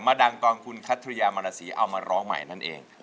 ดังตอนคุณคัทริยามรสีเอามาร้องใหม่นั่นเอง